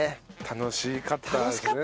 楽しかったですね